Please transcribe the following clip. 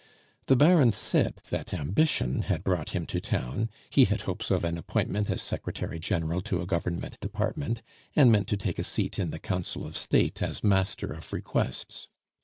The Baron said that ambition had brought him to town; he had hopes of an appointment as secretary general to a government department, and meant to take a seat in the Council of State as Master of Requests.